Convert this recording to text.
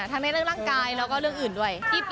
ทั้งในเรื่องร่างกายแล้วก็เรื่องอื่นด้วย